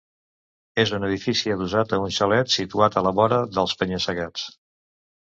És un edifici adossat a un xalet situat a la vora dels penya-segats.